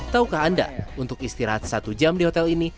taukah anda untuk istirahat satu jam di hotel ini